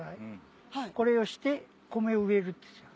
これをして米を植えるんですよ。